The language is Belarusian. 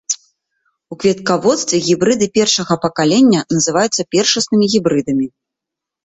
У кветкаводстве гібрыды першага пакалення называюцца першаснымі гібрыдамі.